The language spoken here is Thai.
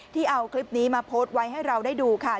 เอาคลิปนี้มาโพสต์ไว้ให้เราได้ดูค่ะ